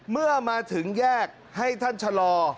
เมื่อมาถึงแยกให้ท่านชะลอ